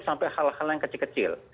sampai hal hal yang kecil kecil